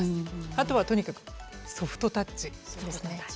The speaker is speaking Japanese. あとはとにかくソフトタッチですね。